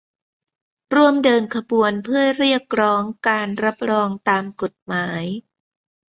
ร่วมเดินขบวนเพื่อเรียกร้องการรับรองตามกฎหมาย